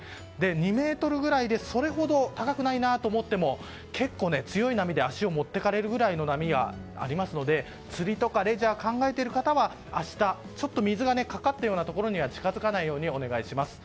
２ｍぐらいで、それほど高くないなと思っても結構、強い波で足を持っていかれるくらいの波がありますので釣りとかレジャーを考えている方は明日水がかかったようなところには近づかないようにお願いします。